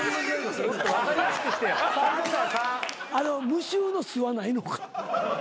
無臭の酢はないのか？